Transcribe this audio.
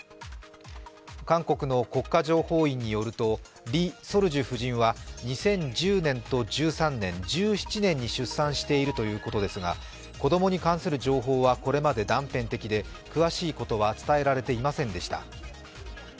韓国の国家情報院によるとリ・ソルジュ夫人は２０１０年と１３年、１７年に出産しているということですが、子供に関する情報はこれまで断片的で詳しいことは伝えられていませんでした。